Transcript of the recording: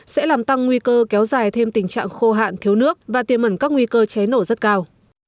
sẽ làm tăng nguy cơ kéo dài thêm tình trạng khô hạn thiếu nước và tiềm ẩn các nguy cơ cháy nổ rất cao